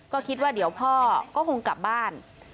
ก็คิดว่าเดี๋ยวพ่อก็คงกลับบ้าน